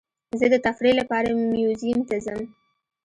زه د تفریح لپاره میوزیم ته ځم.